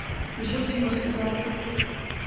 Пішов чогось у верби.